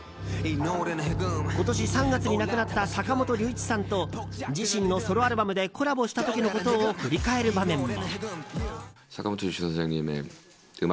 今年３月に亡くなった坂本龍一さんと自身のソロアルバムでコラボした時のことを振り返る場面も。